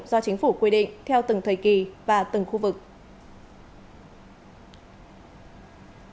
do chính phủ quy định theo từng thời kỳ và từng khu vực